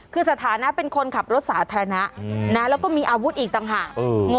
คือสถานะเป็นคนขับรถสาธารณะแล้วก็มีอาวุธอีกต่างหาก